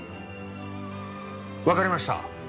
わかりました。